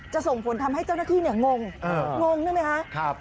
ส่งผลทำให้เจ้าหน้าที่งงงใช่ไหมคะ